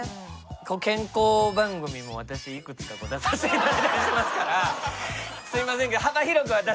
健康番組も私いくつか出させて頂いてますからすいませんが。